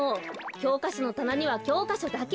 きょうかしょのたなにはきょうかしょだけ。